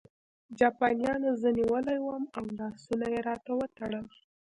جاپانیانو زه نیولی وم او لاسونه یې راته وتړل